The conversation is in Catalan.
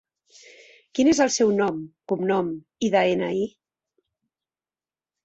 Quin és el seu nom, cognom i de-ena-i?